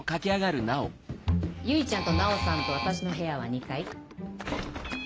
結ちゃんと奈央さんと私の部屋は２階。